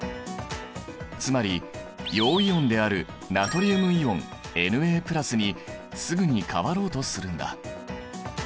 つまり陽イオンであるナトリウムイオンＮａにすぐに変わろうとするんだ。